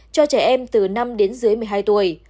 cho trẻ em từ năm đến dưới một mươi hai tuổi